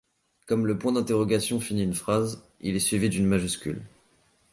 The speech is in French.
Comme le point d'interrogation finit une phrase, il est suivi d'une majuscule.